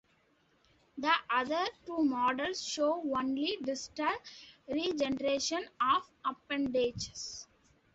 The other two models show only distal regeneration of appendages.